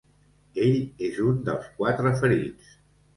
Ell és un dels quatre ferits.